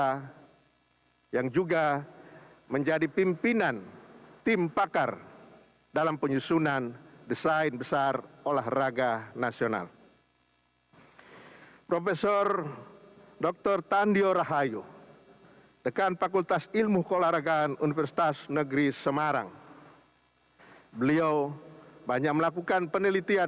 prof dr muhammad asmawi m pedi guru besar bidang ilmu kolaragaan universitas negeri jakarta